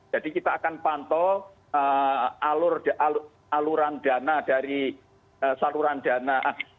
jadi kita akan pantau aluran dana dari saluran dana